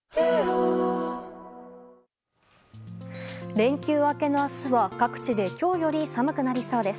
連休明けの明日は各地で今日より寒くなりそうです。